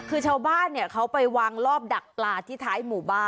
คือชาวบ้านเขาไปวางรอบดักปลาที่ท้ายหมู่บ้าน